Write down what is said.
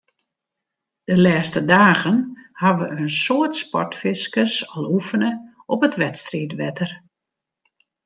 De lêste dagen hawwe in soad sportfiskers al oefene op it wedstriidwetter.